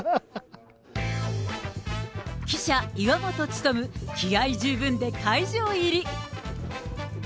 記者、岩本勉、気合十分で会場入り。